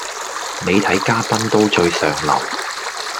你睇嘉賓都最上流